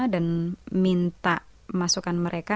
dan minta masukan mereka